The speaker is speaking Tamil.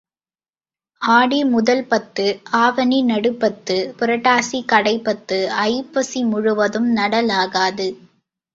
ஆடி முதல் பத்து, ஆவணி நடுப்பத்து, புரட்டாசி கடைப்பத்து, ஐப்பசி முழுதும் நடலாகாது.